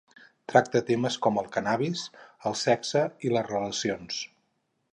Tracta temes com el cànnabis, el sexe i les relacions.